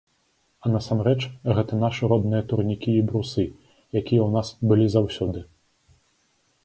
А насамрэч, гэта нашы родныя турнікі і брусы, якія ў нас былі заўсёды.